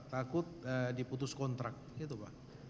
takut diputus kontrak gitu pak